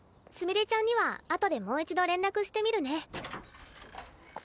すみれちゃんには後でもう一度連絡してみるね。